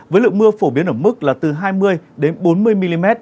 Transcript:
với lượng mưa phổ biến ở mức là từ hai mươi đến bốn mươi mm